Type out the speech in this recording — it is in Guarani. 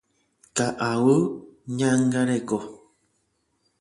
Ka'aguy ñangareko.